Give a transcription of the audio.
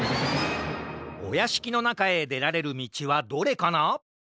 おやしきのなかへでられるみちはどれかな？